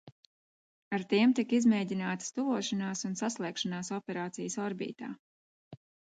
Ar tiem tika izmēģinātas tuvošanās un saslēgšanās operācijas orbītā.